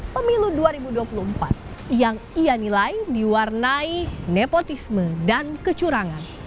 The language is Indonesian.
pemilu dua ribu dua puluh empat yang ia nilai diwarnai nepotisme dan kecurangan